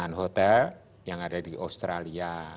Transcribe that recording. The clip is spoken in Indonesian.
dan hotel yang ada di australia